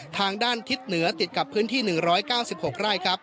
ทางด้านทิศเหนือติดกับพื้นที่๑๙๖ไร่ครับ